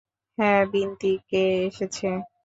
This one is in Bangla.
হ্যাঁ বিন্তি, কে এসেছে?